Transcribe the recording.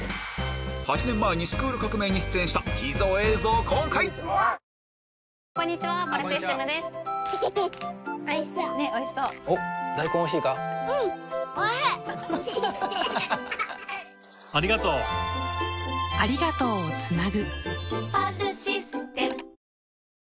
８年前に『スクール革命！』に出演した次回王者に学ぶ！